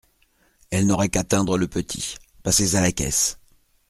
Elle n’aurait qu’à teindre le petit !… passez à la caisse !